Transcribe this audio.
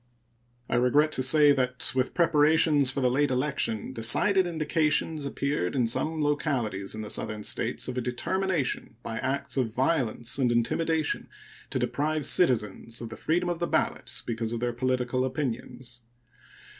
I regret to say that with preparations for the late election decided indications appeared in some localities in the Southern States of a determination, by acts of violence and intimidation, to deprive citizens of the freedom of the ballot because of their political opinions.